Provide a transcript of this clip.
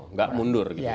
nggak mundur gitu ya